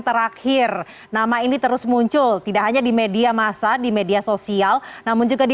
terakhir nama ini terus muncul tidak hanya di media masa di media sosial namun juga di